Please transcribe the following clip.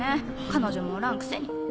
彼女もおらんくせに。